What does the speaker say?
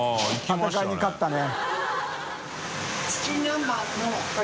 戦いに勝ったね。